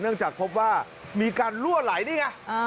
จากพบว่ามีการลั่วไหลนี่ไง